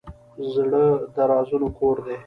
زړه د رازونو کور دی.